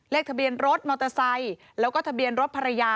ทะเบียนรถมอเตอร์ไซค์แล้วก็ทะเบียนรถภรรยา